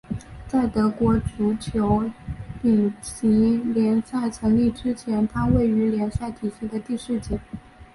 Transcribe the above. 在德国足球丙级联赛成立之前它位于联赛体系的第四级。